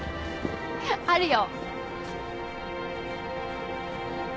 あるよ。